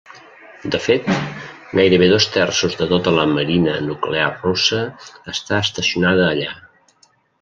De fet, gairebé dos terços de tota la marina nuclear russa està estacionada allà.